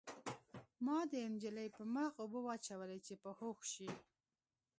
ما د نجلۍ په مخ اوبه واچولې چې په هوښ شي